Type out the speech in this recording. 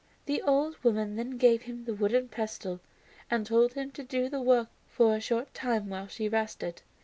The old woman then gave him the wooden pestle and told him to do the work for a short time while she rested.